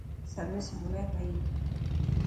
سروس هلي پئي.